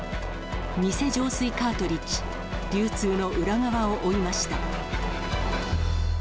偽浄水カートリッジ、流通の裏側を追いました。